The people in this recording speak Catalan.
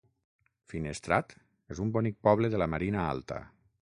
Finestrat és un bonic poble de la Marina Alta.